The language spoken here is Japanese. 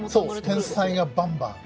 そう天才がバンバン。